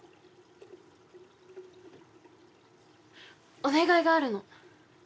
お願いがあるの。